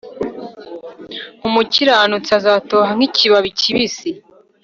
umukiranutsi azatoha nk’ikibabi kibisi